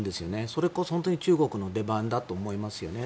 それこそ本当に中国の出番だと思いますね。